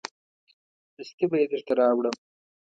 دستي به یې درته راوړم.